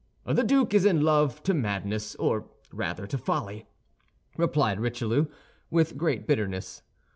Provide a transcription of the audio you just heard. "The duke is in love to madness, or rather to folly," replied Richelieu, with great bitterness.